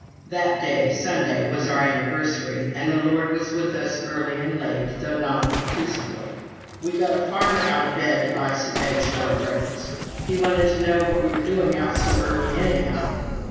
That day, Sunday, was our anniversary, and the Lord was with us early and late, though not obtrusively. We got a farmer out of bed to buy some eggs for our breakfast. He wanted to know what we were doing out so early, anyhow.